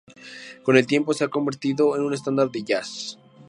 Con el tiempo, se ha convertido en un estándar de jazz.